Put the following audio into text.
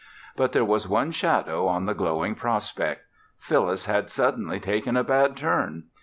But there was one shadow on the glowing prospect; Phyllis had suddenly taken a bad turn.